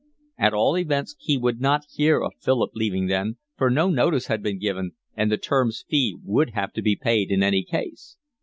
At all events he would not hear of Philip leaving then, for no notice had been given and the term's fee would have to be paid in any case.